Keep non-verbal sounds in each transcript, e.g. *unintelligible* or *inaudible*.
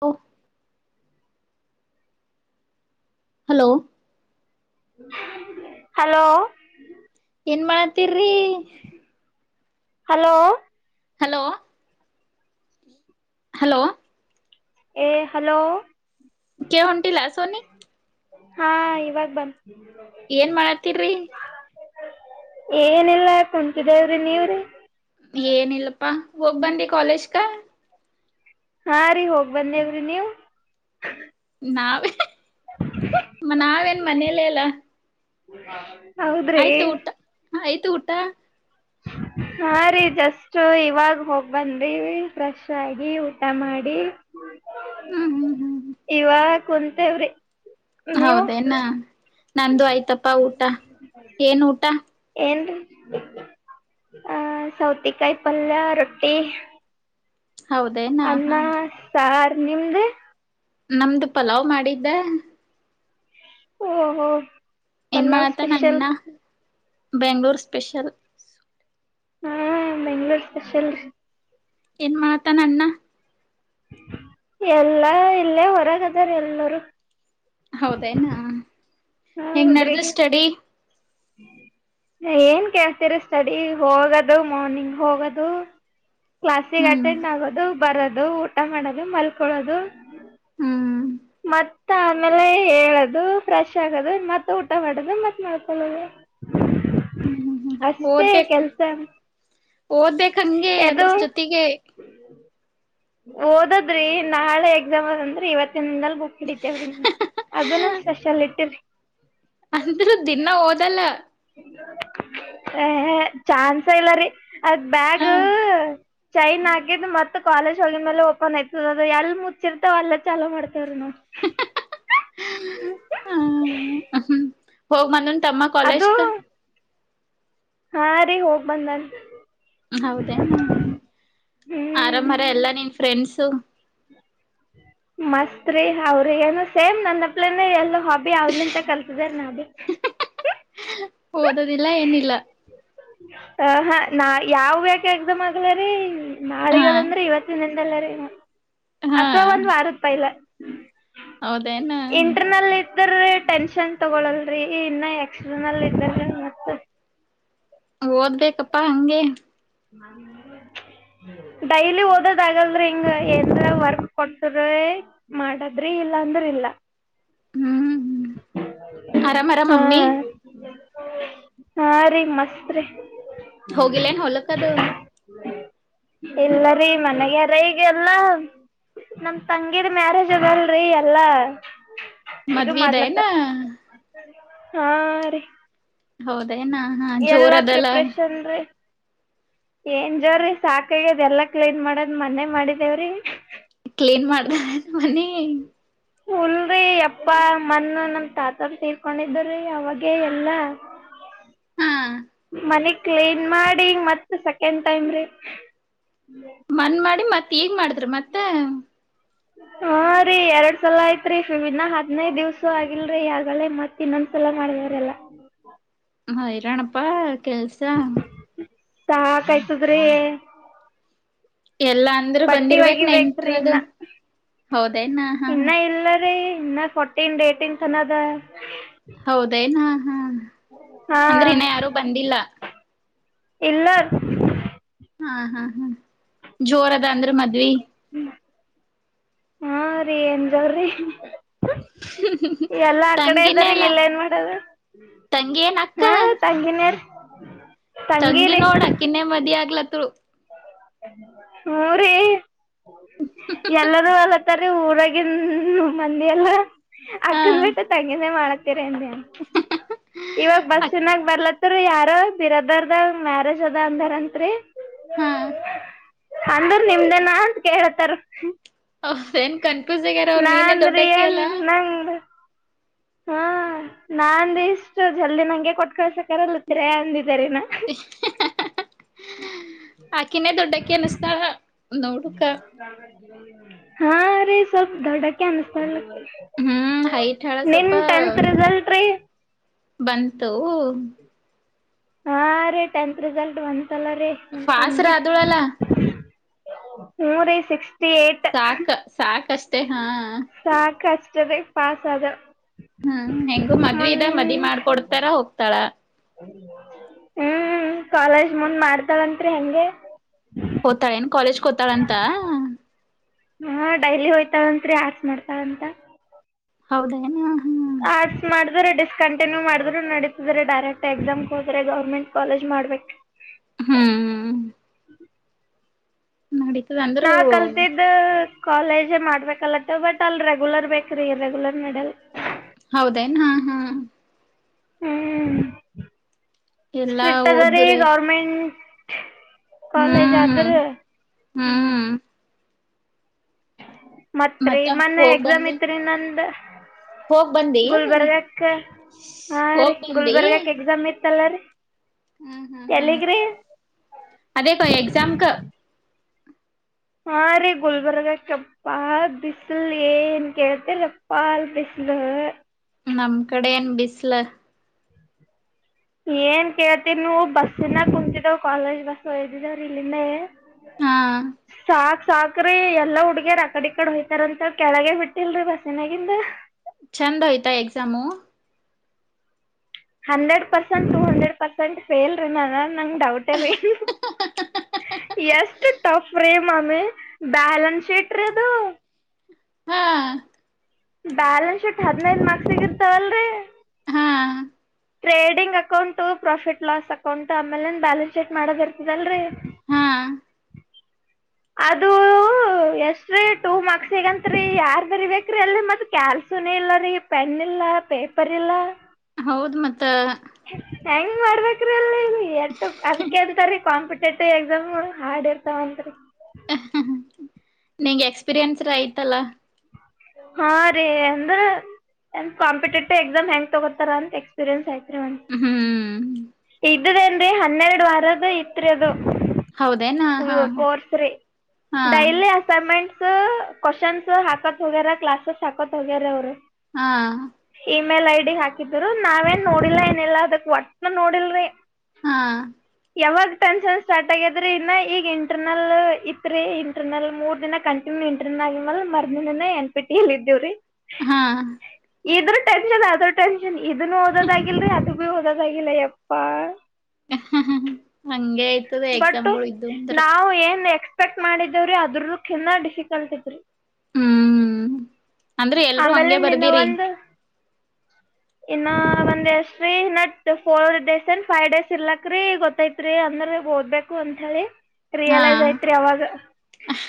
ಓ hello hello ಏನ್ ಮಾಡ್ ತಿರೀ ಹಲೋ ಹಲೋ ಹಲೋ ಏ ಹಲೋ ಕೆಳ ಹೊಂಟ್ಟಿಲಾ ಸೋನಿ ಹಾ ಇವಾಗ ಬಂತ ಏನ್ ಮಾಳತಿರಿ ಏನ ಇಲ್ಲಾ ಕುಂತಿದೆವ್ರ ನೀವು ರೀ ಏನಿಲ್ಲಪ್ಪಾ ಹೋಗ್ ಬಂದಿ ಕಾಲೇಜಕಾ ಹಾರೀ ಹೋಗ್ ಬಂದೆವು ರಿ ನೀವು ನಾವೇ ಮ ನಾವೇನ್ ಮನೆಯಲ್ಲ ಎಲ್ಲ ಹು ಆಯ್ತು ಊಟ ಆಯ್ತ್ ತ್ತು ಊಟಾ ಹಾ ರೀ ಜಸ್ಟ್ ಇವಾಗ ಹೋಗ್ ಬಂದಿವಿ ಫ್ರೆಶ್ ಆಗಿ ಊಟ ಮಾಡಿ ಹ್ಮ್ ಹ್ಮ್ ಇವಾಗ್ ಕುಂತೇವ್ರಿ ನೀವು ಹೌದೇನ ನಂದು ಆಯ್ತಪ್ಪ ಊಟ, ಏನ್ ಊಟ? ಏನ್ರೀ ಆ ಸೌತೆ ಕಾಯಿ ಪಲ್ಯ, ರೊಟ್ಟಿ ಹೌದೇನಾ ಅನ್ನ ಹಾ ಸಾರ್. ನಿಮ್ದು? ನಮ್ದು ಪಲಾವ್ ಮಾಡಿದ್ದೆ. ಓಹ್ ಓಹ್ ಏನ್ ಮಾಡಾತ್ತಾನ ಅಣ್ಣಾ? ಬೆಂಗ್ಳೂರು ಸ್ಪೆಷಲ್. ಹಾ ಬೆಂಗ್ಳೂರ್ ಸ್ಪೆಷಲ ರಿ. ಏನ್ ಮಾಡತ್ತಾನ ಅಣ್ಣ? ಎಲ್ಲ ಇಲ್ಲೇ ಹೊರಗ ಅದಾರ ಎಲ್ಲರು. ಹೌದೇನಾ. ಹೆಂಗ್ ಹೌದ್ರಿ ನಡ್ದದ್ ಸ್ಟಡಿ? ಏನ್ ಕೇಳ್ತೀರ ಸ್ಟಡಿ ಹೋಗೋದು ಮಾರ್ನಿಂಗ್ ಹೋಗೋದು, ಕ್ಲಾಸಿಗೆ ಹ್ಮ್ ಅಟೆಂಡ್ ಆಗೋದು ಬರದು ಊಟ ಮಾಡೋದು ಮಲ್ಕಳೋದು. ಹ್ಮ್ ಮತ್ತ ಆಮೇಲೆ ಹೇಳದು ಫ್ರೆಶ್ ಆಗದು ಮತ್ತ ಊಟ ಮಾಡದು ಮತ್ತ್ ಮಾಡ್ಕೊಳ್ಳದು. ಹ್ಮ್ ಹ್ಮ್ ಹ್ಮ್ ಅಷ್ಟೇ ಕೆಲ್ಸ ಓದ್ಬೇಕ ಹಂಗೆ ಅದ್ರ ಅದು ಜೊತೆಗೆ. ಓದದ್ರಿ ನಾಳೆ ಎಕ್ಸಾಮ್ ಅದಂದ್ರಿ ಇವತ್ ಚಂದಲ್ ಹೋಗ್ಡತಿವ್ರ ಅಗ ನಾವ್ ಸ್ಪೆಷಾಲಿಟ್ಟಿರಿ. ಅಂದ್ರ ದಿನಾ ಓದಲ್ಲ. ಹೇ ಚಾನ್ಸ ಇಲ್ಲ ರೀ. ಅದ್ ಹ ಬ್ಯಾಗು ಚೈನ್ ಆಗಿದ್ದ ಮತ್ ಕಾಲೇಜ್ ಒ ಮೇಲೆ ಓಪನ್ ಆಯ್ತದ ಅದು ಎಲ್ ಮುಚ್ಚಿರ್ತಾವ್ ಚಲೋ ಮಾಡ್ತವ ನಾವು. ಹ್ಮ- ಹೋಗ ಬಂದ್ ನಾ ತಮ್ಮ ಅದು ಕಾಲೇಜ್ ಕ. ಹಾ ರೀ ಹೋಗ್ ಬಂದನ್. ಹೌದೇನು, ಆರಾಮರ ಎಲ್ಲಾ ನಿನ್ ಫ್ರೆಂಡ್ಸ್? ಸೊ ಹ್ಮ ಮಸ್ತ್ರಿ ಅವ್ರಿಗೆ ಏನು ಸೇಮ್ ನನ್ನಪ್ಲನ ಎಲ್ಲ ಹಾಬಿ ಅವ್ಲಿಂತ ಕಲ್ತಿದಾರ ನೊಡಿ. *inaudible* ಓದದಿಲ್ಲ ಏನಿಲ್ಲ. ಹ ಹಾ ನಾ ಯಾವ ಯ್ಯಾಕೆ ಎಕ್ಸಾಮ್ ಆಗ್ಲಿರಿ ಹಾ ನಾಳಿಗದಂದ್ರೆ ಇವತ್ತಿನಿಂದಲ್ಲ ರೀ ಹ್ಮ ಅಥವಾ ಒಂದ್ ವಾರದ್ ಪೈಲಾ ಹೌದೇನಾ. ಇದ್ರೀ ಟೆನ್ಷನ್ ತಗೊಳಲ್ರರಿ ಇನ್ನ ಎಕ್ಸ್ಟ್ರನಲ್ ಇದವ. *unintelligible* ಓದ್ಬೇಕಪ್ಪಾ ಹಂಗೆ ಡೈಲಿ ಓದೋದ್ ಆಗಲ್ರಿ ಹಿಂಗ ಏಂದ್ರ ವರ್ಕ್ ಕೊಡ್ಸ್ರ ಮಾಡದ್ರಿ ಇಲ್ಲಾಂದ್ರ ಇಲ್ಲ.. ಹ್ಮ್ ಆರಾಮ್ ಆರಾಮ್ ಹಾ. ಮಮ್ಮಿ ಹಾ ರೀ ಮಸ್ತ್ ರೀ!. *inaudible* ಅದು ಇಲ್ಲರೀ ಮನ್ಗ್ಯಾರ ಈಗ ಎಲ್ಲ ನಮ್ ತಂಗಿದ ಮ್ಯಾರೇಜ್ ಆದಲ್ರಿ ಎಲ್ಲಾ ಇದು ಮದುವೆದೇನಾ ಮಾಡ್ಲತ್ತಾರ ಹಾ ರೀ... ಹೌದೇನಾ ಹಾ ಜೋರ ಎಲ್ಲಾ ಅದೆಲ್ಲ ಪ್ರಿಪ್ರೇಷನ್ ರೀ ಏನ್ ಜೋರಿ ಸಾಕಾಗ ಅದೆ ಎಲ್ಲಾ ಕ್ಲೀನ್ ಮಾಡದ್ ಮನೆೇ ಮಾಡಿದೇವ್ರಿ ಕ್ಲೀನ್ ಮಾಡ್ದ ಮನೀ ಉಲ್ರರಿ ಯಪ್ಪಾ ಮನ್ನ ನಮ್ ತಾತರ್ ತೀರ್ಕೊಂಡಿದ್ರಿ ಅವಾಗೇ ಎಲ್ಲಾ. ಮನಗ್ ಕ್ಲೀನ್ ಮಾಡಿ ಮತ್ತ ಸೆಕೆಂಡ್ ಟೈಮ್ ರೀ. ಮನ್ ಮಾಡಿ ಮತ್ ಈಗ್ ಮಾಡಿದ್ರ ಮತ್ತೆ. ಹಾ ರಿ ಎರಡ್ ಸಲ ಆಯ್ತ್ರಿನ್ನ ಹದ್ನೈದ ದಿವ್ಸ ಆಗಿಲ್ರಿ ಆಗಲೇ ಮತ್ತ್ ಇನ್ನೊಂದ್ಸಲ ಮಾಡಿದವ್ರಲ್ಲ ಹಾ ಇರಾಣಪ್ಪಾ ಕೆಲ್ಸ ಸಕಾಯ್ತಿದಿರಿ ಎಲ್ಲಾ ಅಂದ್ರರು ಬಂದಿರ್ಬೇಕಕ್ ಒಗಿಬೇಕ್ರಿ ನೆಂಟರದು ಇನ್ನ ಹೌದೇನಾ ಹಾ ಇನ್ನ ಇಲ್ಲರಿ ಇನ್ನ ಫೋರ್ಟೀನ್ ಡೇಟೀನ್ ತನ್ನದ ಹೌದೇನಾ ಹಾ ಅಂದ್ರೆ ಇನ್ನ ಯಾರು ಬಂದಿಲ್ಲ ಇಲ್ಲ ಹಾ ಹಾ ಹಾ ಜೋರ ಅದ ಅಂದ್ರೆ ಮದ್ವಿ ಹಾ ರೀ ಏನ್ ಜೋರಿ *unintelligible* ಎಲ್ಲಾ ಆ ಕಡೆ ತಂಗಿನೇ ಇದ್ದಾರೀ ಅಲ್ಲ ಇಲ್ಲೇನ್ ಮಾಡದು ತಂಗಿ ಏನ್ ಅಕ್ಕ ಹಾ ತಂಗಿನಿಯಾರ್ *inaudible* ತಂಗಿ ನೋಡ ಆಕಿನ್ನೆ ಮದ್ವಿ ಆಗ್ಲತ್ ತುಳು ಹೂ ರೀ ಎಲ್ಲರೂ ಅಲ್ಲೆ ತಾರಿ ಊರಾಗಿನ್ ಮಂದಿ ಎಲ್ಲ. ಹಾ ಅಕ್ಕನ್ನ್ ಬಿಟ್ಟ ತಂಗಿನೇ ಮಾಡಕ್ ಇವಾಗ ಬಸ್ಸಿ ನಾಗ್ ಬರ್ಲತ್ ಯಾರೊ ಬಿರದರ್ದಗ್ ಮ್ಯಾರೇಜ್ ಅದ ಅಂದಾರಂತ್ರಿ ಹಾ *unintelligible* ಅಂದ್ರ ನಿಮ್ದೇನ ಅಂತ ಕೇಳ್ತಾರಿ ಹೌದ್ ಏನ್ ಕನ್ಫ್ಯೂಸ್ ಆಗ್ಯಾರ ಅವರು ನೀನೇ ದೊಡ್ಡಕ್ಕಿ ಅಲ್ಲ ಹ್ಮ್ ನಾನ್ ಇಷ್ಟು ಜಲ್ದಿ ನಂಗೆ ಕೊಟ್ಕಳ್ಸಕ್ ಕರಲಿತ್ರೆ ಅಂದಿದಾರೆನ ಆಕಿನೇ ದೊಡ್ಡಕಿ ಅನಸ್ತಾಳ ನೋಡುಕ *unintelligible* ಹಾ ರಿ ಸಲ್ಪ್ ದೊಡ್ಡಾಕಿ ಅನ್ನಿಸ್ತಾಳ್ ಅಕಿ. ಹ್ಮ್ ಹೈಟ್ ಹಳ ನಿನ್ ಟೆಂತ್ ರಿಸಲ್ಟ್ ರೀ ಬನ್ ದೂ ಹಾ ರೀ ಟೆಂತ್ ರಿಸಲ್ಟ್ ಬನ್ ತಲ್ಲ ರೀ ನಿಮ್ ಫಾಸ್ರ ತಂಗಿ ಆದಳಲ್ಲ ಹೂ ರಿ ಸಿಕ್ಸ್ ಸಾಕ ಸಾಕಷ್ ಟೆ ಹಾ ಕಷ್ಟದೆ ಪಾಸಾದ. ಹ್ಮ್ ಹೆಂಗು ಮದ್ವಿದ ಮದ್ವಿ ಮಾಡ್ಕೊಡ್ತಾರ ಹೋಗ್ತಾಳ ಹ್ಮ್ ಕಾಲೇಜ್ ಮುಂದ್ ಮಾಡ್ತಳಂತ್ರಿ ಹೆಂಗೆ. ತಾಳಂತ ಹಾ ಡೈಲಿ ಹೋಯ್ತಾಳಂತ್ರಿ ಆರ್ಟ್ಸ್ ಮಾಡ್ತಾಳಂತ. ಹೌದೇನೆ ಅಹ್ ಆರ್ಟ್ಸ್ ಮಾಡಿದ್ರೆ ಡಿಸ್ ಕಂಟಿನ್ಯೂ ಮಾಡಿದ್ರು ನಡೀತದ್ರಿ ಡೈರೆಕ್ಟ್ ಎಕ್ಸಾಮ್ಗೆ ಹೋದ್ರೆ ಗೌರ್ಮೆಂಟ್ ಕಾಲೇಜ್ ಮಾಡ್ಬೇಕ್. ಹ್ಮ್ ನಡೀತದ ನಾ ಅಂದ್ರು ಕಲ್ತಿದ್ದು ಕಾಲೇಜ್ ಮಾಡ್ಬೇಕಲತ್ತ ಬಟ್ ಅಲ್ ರೆಗ್ಯುಲರ್ ಬೇಕ್ರೀ ಇರೆಗ್ಯುಲರ್ ನಡಿಯಲ್ ಹೌದೇನ್ ಹಾ ಹಾ ಹ್ಮ್ ಎಲ್ಲಾ ಸ್ಟ್ರಿಕ್ಟ್ ಅದ ರಿ ಓದ್ದುರೆ ಗರ್ಮೆಂಟ್ ಕಾಲೇಜ್ ಹ್ಮ್ ಆದ್ರೆ ಹ್ಮ ಹ್ಮ್ ಮತ್ರಿ ಮತ್ತ ಮೊನ್ನೆ ಹೋಗ್ ಎಕ್ಸಾಮ್ ಬಂದು ಇತ್ರಿ ನಂದು ಹೋಗ್ ಬಂದಿ ಗುಲ್ಬರ್ಗಕ್ಕ ಹಾ ರೀ ಗುಲ್ಬರ್ಗಕ್ ಎಕ್ಸಾಮ್ ಇತ್ತಲ್ಲ ರೀ ಹ್ಮ ಹ್ಮ್ ಹ್ಮ್ ಎಲ್ಲಿಗೆ ರೀ ಅದೇ ಕೊ ಎಕ್ಸಾಮ್ಕ ಹಾ ರೀ ಗುಲ್ಬರ್ಗಕ್ಕೆಪ್ಪಾ ಬಿಸಿಲು ಏನ್ ಕೇಳ್ತೀರಪ್ಪ ಅಲ್ ಬಿಸಿಲು ನಮ್ ಕಡೆ ಏನ್ ಬಿಸ್ಲ ಏನ್ ಕೇಳ್ತಿರಿ ನೀವು ಬಸ್ನಾಗ್ ಕುಂತಿದಾವ್ ಕಾಲೇಜ್ ಬಸ್ ಒಯ್ದಿದಾವ್ರಿ ಇಲ್ಲಿಂದೇ ಹಾ ಸಾಕ್ರಿ ಎಲ್ಲಾ ಹುಡ್ಗ್ಯರ್ ಅಕಡಿ ಈ ಕಡೆ ಹೋತಾರ ಅಂತ ಕೆಳಗೆ ಬಿಟ್ಟಿಲ್ರಿ ಬಸ್ಸಿನ್ಯಾಗಿಂದ. ಚಂದ್ ಆಯ್ತಾ exam? Hundred percent to hundred percent fail ರೀ ನಾನು ನಂಗ ಡೌಟ ರೀ ಎಸ್ ಟಫ್ ರೇ ಮಾಮಿ ಬಾಲನ್ಸ್ ಶೀಟ್ರಿ ಅದು ಹಾ ಬ್ಯಾಲೆನ್ಸ್ ಶೀಟ್ ಹದ್ನೈದ್ ಮಾರ್ಕ್ಸಿಗ್ ಇರ್ತಾವಲ್ರಿ ಹಾ trading account profit loss account ಆಮೇಲೆನು ಬ್ಯಾಲೆನ್ಸ್ ಶೀಟ್ ಮಾಡೋದಿರ್ತದಲ್ರಿ ಹಾ ಅದು ಎಷ್ಟ್ರೀ ಟೂ ಮಾರ್ಕ್ಸಿಗಂತ್ರಿ ಯಾರ್ ಬರಿಬೇಕ್ರಿ ಅಲ್ಲಿ ಮತ್ ಕ್ಯಾಲ್ಸಿನೆ ಇಲ್ಲ ರೀ ಪೆನ್ ಇಲ್ಲ ಪೇಪರ್ ಇಲ್ಲ. ಹೌದ್ ಮತ್ತ ಹೆಂಗ್ ಮಾಡ್ಬೇಕ್ರಿ ಅಲ್ಲಿ ಎಟ್ಟು ಅದಕ್ಕೆ ಅದ್ಕ ರಿ ಕಾಂಪಿ ಶಟ್ಟ ಎಕ್ಸಾಮ್ ಹಾರ್ಡ್ ಇರ್ತಾವಂತ್ರಿ ಅಹ್ ಹ್ ಹ್ಮ್ ನಿಂಗ್ ಎಕ್ಸ್ಪೀರಿಯನ್ಸ್ರ ಐಯ್ತಲ್ಲ ಹಾ ರೀ ಅಂದ್ರೆ ಎಂದ ಕಾಂಪಿಟೇಟಿವ್ ಎಕ್ಸಾಮ್ ಹೆಂಗ್ ತಗೋತಾರ ಅಂತ ಎಕ್ಸ್ಪೀರಿಯನ್ಸ್ ಆಯ್ ಹ್ಮ್ ಇದದೇನ್ರಿ ಹನ್ನೆರಡು ವಾರದು ಇತ್ರಿ ಅದು. ಹೌದೇನಾ ಹಾ ಹ ಕೋರ್ಸ್ ರೀ ಹಾ ಡೈಲಿ ಅಸೈನ್ಮೆಂಟ್ ಕ್ವಶನ್ಸ್ ಹಾಕತ್ ಹೋಗ್ಯಾರ ಕ್ಲಾಸಸ್ ಹಾಕೊತ್ ಹೋಗ್ಯಾರ ಅವ್ರು. ಹಾ ಇಮೇಲ್ ಐ ಡಿ ಹಾಕಿದ್ರು ನಾವೇನ್ ನೋಡಿಲ್ಲ ಏನಿಲ್ಲ ಅದಕ್ ಒಟ್ಟನ್ ನೋಡಿಲ್ರಿ. ಹಾ ಯಾವಾಗ ಟೆನ್ಷನ್ ಸ್ಟಾರ್ಟ್ ಆಗ್ಯಾದ್ರಿ ಈಗ ಇಂಟರ್ನಲ್ ಇತ್ರಿ ಇಂಟರ್ನಲ್ ಮೂರ್ ದಿನ ಕಂಟಿನ್ಯೂ ಇಂಟರ್ನಲ್ ಆಗ್ಯದ್ ಮೇಲ್ ಮರ್ದಿನನೆ ಎನ್ ಪಿ ಟಿಲ್ ಇದ್ದೇವ್ರಿ. ಹಾ ಇದ್ರು ಟೆನ್ಶನ್ ಆದು ಟೆನ್ ಇದುನ್ನು ಓದದಾಗಿಲ್ರಿ ಅದು ಹೊದದಾಗಿಲ್ಲ ಎಪ್ಪ ಅಹ್ ಹ ಹ ಹ ಹಂಗೆ ಐ ಬಟ್ ನಾವು ಏನ್ ನೆಕ್ಸ್ ಎಕ್ಸ್ಪೆಕ್ಟ್ ಮಾಡಿದೇವ್ರೀ ಅದ್ರ ಕಿನ ಡಿಫಿಕಲ್ಟ್ ಇದ್ರರಿ ಹ್ಮ್ ಅಂದ್ರೆ ಎಲ್ರುೂ ಹಂಗಗೆ ಬರ್ದಿರಿ ಇನ್ನು ಒಂದ್ ಎಷ್ಟ್ರೀ nut four days and five days ಇರ್ಲಕ್ ಗೊತ್ತೈತ್ರಿ ಅಂದ್ರ ಓದ್ಬೇಕು ಅಂತ ಹೇಳಿ ಹಾ ರಿಯಲೈಸ್ ಐತ್ರಿ ಅವಾಗ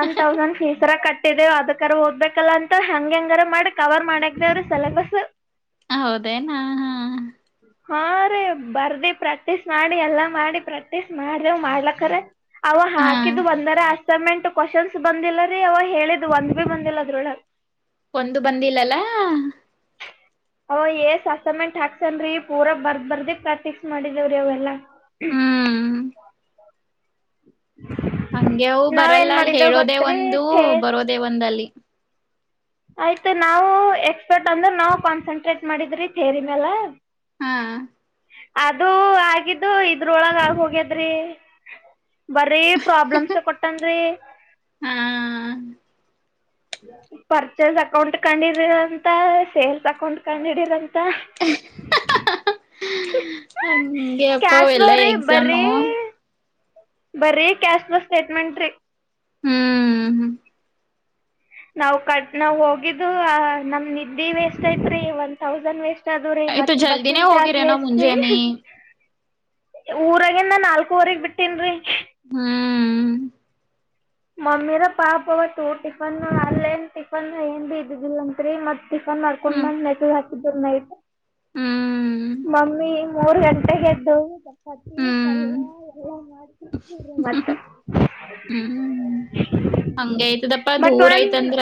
ಒನ್ ತೌಸಂಡ್ ಫೀಸ್ರ ಕಟ್ಟಿದ್ದೇವು ಅದಕರ ಹೋಗ್ಬೇಕಲ್ಲ ಅಂತ ಹೆಂಗ ಹೆಂಗರ ಮಾಡಿ ಕವರ್ ಮಾಡಕ್ದ ಅವರು ಸಿಲೆಬಸ್ ಹೌದೇನಾ ಹ ಹಾ ರೀ ಬರ್ದಿ ಪ್ರಾಕ್ಟೀಸ್ ಮಾಡಿ ಎಲ್ಲಾ ಮಾಡಿ ಪ್ರಾಕ್ಟೀಸ್ ಮಾಡ್ರ್ ಮಾಡ್ಲಕ್ರ ಅವ ಹಾ ಹಾಕಿದು ಬಂದರ ಅಸೈಮೆಂಟ್ ಕ್ವಶನ್ಸ್ ಬಂದಿಲ್ಲ ರೀ ಅವ ಹೇಳಿದು ಒಂದ್ ಭಿ ಬಂದಿಲ್ಲ ಅದ್ರೊಳಗೆ ಒಂದು ಬಂದಿಲ್ಲಲ್ಲ ಅವ ಏ ಸಸಮೆಂಟ್ ಹಾಕ್ಸನ್ ರೀ ಪೂರಾ ಬರ್ದ ಬರ್ದಿ ಪ್ರಾಕ್ಟೀಸ್ ಮಾಡಿದೇವ್ರಿ ಅವೆಲ್ಲಾ ಹ್ಮ್ ಹಂಗೆ ಬರಲ್ಲ ಅಲ್ಲಿ ಹೇಳೋದೆೇ ಗೊತ್ತ್ರಿ ಒಂದು ಥೇ ಬರೋದೆೇ ಒಂದ ಅಲ್ಲಿ ಆಯ್ತು ನಾವು ಎಕ್ಸ್ಪರ್ಟ್ ಅಂದ್ರೆ ನಾವು ಕಾನ್ಸನ್ಟ್ರೇಟ್ ಮಾಡಿದ್ರಿ ತೇರಿ ಮ್ಯಾಲ ಹಾ ಅದು ಆಗಿದ್ದು ಇದ್ರೊಳಗ ಆಗ ಹೋಗ್ಯದ್ರಿ ಬರೀ ಪ್ರಾಬ್ಲಮ್ಸ್ ಕೊಟ್ಟನ್ರಿ ಹಾ ಪರ್ಚೇಸ್ ಅಕೌಂಟ್ ಕಂಡಿದೀರಂತ ಸೇಲ್ಸ್ ಅಕೌಂಟ್ ಕಂಡು ಹಿಡೀರಂತ ಅಂಗೇ ಅಪ್ಪ ಎಲ್ಲ ಎಕ್ಸಾಮು ಬರ್ರಿ ಕ್ಯಾಶ್ಲೆಸ್ ಸ್ಟೇಟ್ಮೆಂಟ್ ರೀ ಹ್ಮ್ ಹ್ಮ್ ನಾವ್ ಕ ನಾವ್ ಹೋಗಿದ್ದು ನಮ್ ನಿದ್ದೆ ವೇಸ್ಟ್ ಐತ್ತ್ರಿ ಒನ್ ತೌಸಂಡ್ ವೇಸ್ಟ್ ಎ ಅದು ರೀ ಆಯ್ತು ಮತ್ ಜಲ್ದಿನೇ ಬಸ್ಸಿನ ಚಾರ್ಜ್ ಹೋಗಿರೇನೋ ಎೇಷ್ಟ್ರೀ ಮುಂಜಾನೆ ಊರಾಗೇ ನ ನಾಲ್ಕೂವರೆಗ್ ಬಿಟ್ಟೇನ್ರಿ ಹ್ಮ್ ಮಮ್ಮಿರ ಪಾಪವತ್ತು ಟಿಫನ್ ಅಲ್ಲೇನ್ ಟಿಫನ್ ಏನ್ ಬಿ ಇದುದಿಲ್ಲತ್ರಿ ಮತ್ ಚಿಕನ್ ಅರ್ಕು ಹ್ಮ್ ನೆು ಇಬರ್ ನೈ ಹ್ಮ್ ಮಮ್ಮಿ ಮೂರು ಗಂಟೆಗೆದ್ದು ಪತ್ತಿ ಹ್ಮ್ ಪಲ್ಯಾ ಎಲ್ಲ ಮಾಡ್ ಮತ್ ಹ್ಮ್ ಹಂಗ ಆಯ್ತದಪ್ಪಾ ದೂರ ಒಂದ್ ಐತೇಂದ್ರ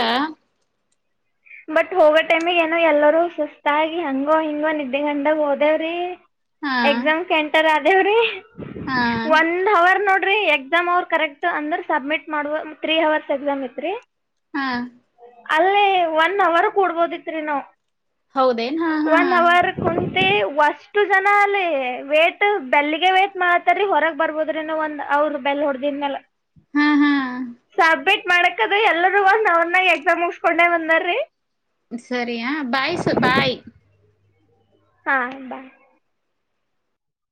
ಬಟ್ ಹೋಗೋ ಟೈಮಗ ಏನೋ ಎಲ್ಲರೂ ಸುಸ್ತಾಗಿ ಹಂಗೋ ಹಿಂಗೋ ನಿದ್ದೆ ಗಂಡಾಗ ಹೋದೇವ್ರೀ ಹಾ ಎಕ್ಸಾಮ್ ಸೆಂಟರ್ ಆ ದೇವ್ರೆ ಹಾ ಒಂದ್ ಅವರ್ ನೋಡಿ ಡ್ರಿ ಎಕ್ಸಾಮ್ ಅವ್ರು ಕರೆಕ್ಟ್ ಅಂದ್ರೆ ಸಬ್ಮಿಟ್ ಮಾಡುವ ತ್ರೀ ಅವರ್ಸ್ ಎಕ್ಸಾಮ್ ಇತ್ರೀ. ಹಾ ಅಲ್ಲಿ ಒನ್ ಅವರ್ ಕೊಡ್ಬೋದಿತ್ರಿ ನಾವ್ ಹೌದೇನ್ ಹಾ ಹಾ ತ್ತಿ ವಷ್ಟು ಜನ ಅಲ್ಲಿ ವೇಟ್ ಬೆಲ್ಲಿಗೆ ವೇಟ್ ಮಾಡ್ತಾರೀ ಹೊರಗ್ ಬರ್ಬೋದ್ರಿನೂ ಒಂದ್ ಅವರು ಬೆಲ್ ಹೊಡ್ದಿದ ಮ್ಯಾಲ ಹಾ ಹಾ ಸಬ್ಮಿಟ್ ಮಾಡಕದ ಎಲ್ಲರೂ ಒಂದ ಅವ್ರ್ನೆ ಎಕ್ಸಾಮ್ ಮುಗಸ್ಕೊಂಡ್ ಬಂದಾರ್ *unintelligible* ಸರಿಯಾ ಬಾಯ್ಸು ಬಾಯ್ ಹಾಯ್ *unintelligible*